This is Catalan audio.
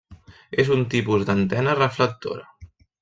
És un tipus d'antena reflectora.